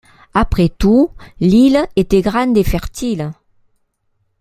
Après tout, l’île était grande et fertile.